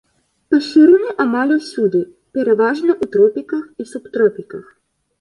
Пашыраны амаль усюды, пераважна ў тропіках і субтропіках.